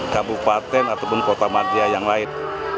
kabupaten ataupun kota madia yang lain